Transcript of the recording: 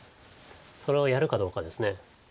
それをやるかどうかです。